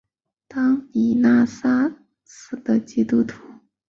当米纳哈萨的基督徒购买新年除夕庆祝活动所用的猪肉时发生爆炸。